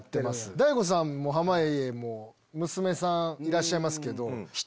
大悟さんも濱家も娘さんいらっしゃいますけど。